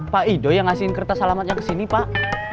pak ido yang ngasihin kertas alamatnya kesini pak